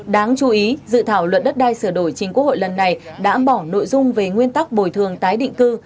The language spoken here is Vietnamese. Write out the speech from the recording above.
đáng chú ý dự thảo luận đất đai sửa đổi chính quốc hội lần này đã bỏ nội dung về nguyên tắc bồi thường tái định cư